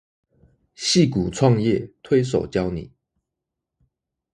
矽谷創業推手教你